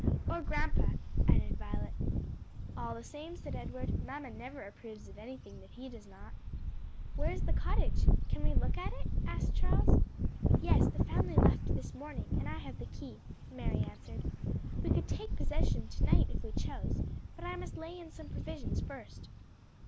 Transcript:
"Or grandpa," added Violet. "All the same," said Edward; "mamma never approves of anything that he does not." "Where is the cottage? Can we look at it?" asked Charles. "Yes; the family left this morning, and I have the key," Mary answered. "We could take possession to night if we chose; but I must lay in some provisions first."